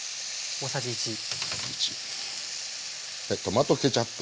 トマトケチャップ。